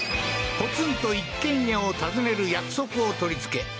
ポツンと一軒家を訪ねる約束を取りつけ